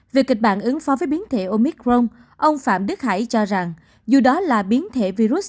về kịch bản ứng phó với biến thể omicron ông phạm đức hải cho rằng dù đó là biến thể virus